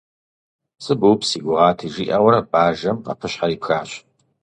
Пцӏы быупс си гугъати, - жиӏэурэ бажэм къэпыщхьэр ипхащ.